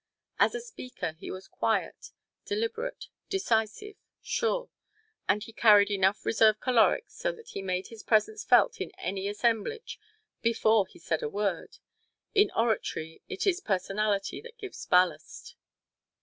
As a speaker he was quiet, deliberate, decisive, sure; and he carried enough reserve caloric so that he made his presence felt in any assemblage before he said a word. In oratory it is personality that gives ballast.